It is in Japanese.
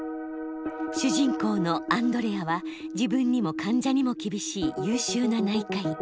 主人公のアンドレアは自分にも患者にも厳しい優秀な内科医。